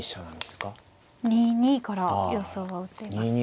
２二から予想は打っていますね。